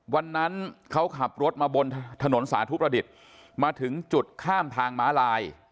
วันนั้นเขาขับรถมาบนถนนสาธุประดิษฐ์มาถึงจุดข้ามทางม้าลาย